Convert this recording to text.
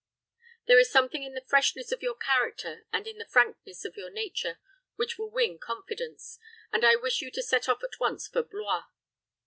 There is something in the freshness of your character and in the frankness of your nature which will win confidence, and I wish you to set off at once for Blois.